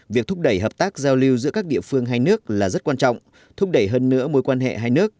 việc thúc đẩy hợp tác giao lưu giữa các địa phương hai nước là rất quan trọng thúc đẩy hơn nữa mối quan hệ hai nước